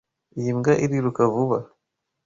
Iyi mbwa iriruka vuba.